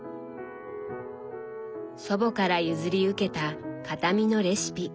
祖母から譲り受けた形見のレシピ。